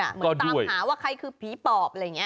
เหมือนตามหาว่าใครคือผีปอบอะไรอย่างนี้